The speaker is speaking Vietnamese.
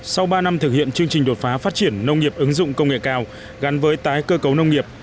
sau ba năm thực hiện chương trình đột phá phát triển nông nghiệp ứng dụng công nghệ cao gắn với tái cơ cấu nông nghiệp